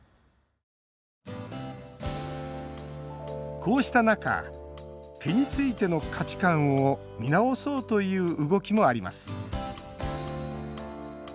こうした中毛についての価値観を見直そうという動きもあります。